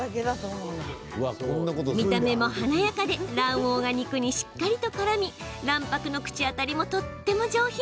見た目も華やかで卵黄が肉にしっかりとからみ卵白の口当たりもとても上品。